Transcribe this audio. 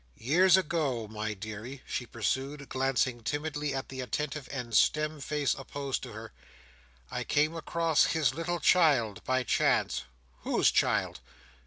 "Years ago, my deary," she pursued, glancing timidly at the attentive and stern face opposed to her, "I came across his little child, by chance." "Whose child?"